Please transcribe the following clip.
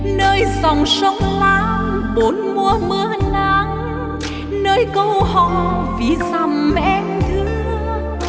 nơi dòng sông láng bốn mùa mưa nắng nơi câu hò vĩ dằm em thương